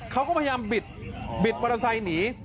เขาก็พยายามบิดบิดปลอดศัยหนี